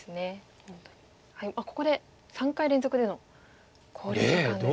ここで３回連続での考慮時間ですね。